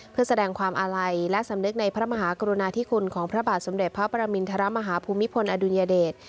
เพื่อแสดงความอาลัยและสำนึกในพระมหากรุณาธิคุณของพระบาทสมเด็จพระประมินทรมาฮภูมิพลอดุญเดช